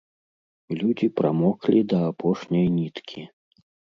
Людзі прамоклі да апошняй ніткі.